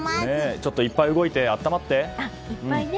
ちょっといっぱい動いて温まってね。